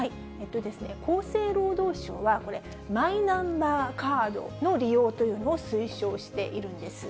厚生労働省は、これ、マイナンバーカードの利用というのを推奨しているんです。